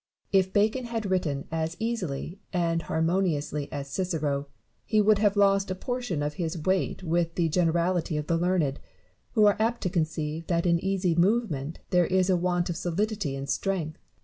Barrow. If Bacon had written as easily and harmon iously as Cicero, hs would have lost a portion of his weight with the generality of the learned, who are apt to conceive that in easy movement there is a want of solidity and strength.